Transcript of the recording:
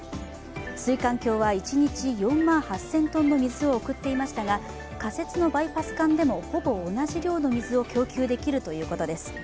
水管橋は一日４万８０００ｔの水を送っていましたが仮設のバイパス管でもほぼ同じ量の水を供給できるということです。